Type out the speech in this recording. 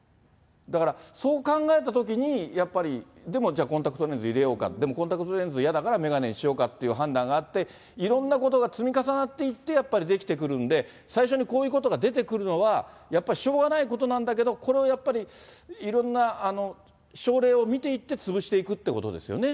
だからそう考えたときに、やっぱりでも、じゃあ、コンタクトレンズ入れようか、でもコンタクトレンズ嫌だから眼鏡にしようかって判断があって、いろんなことが積み重なっていって、やっぱりできてくるんで、最初にこういうことが出てくるのは、やっぱりしょうがないことなんだけど、これをやっぱり、いろんな症例を見ていって潰していくってことですよね。